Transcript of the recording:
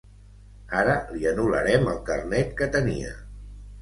Ara li anul·larem el carnet que tenia.